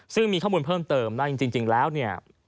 ซึ่งมีข้อมูลเพิ่มเติมนะจริงแล้วเนี่ย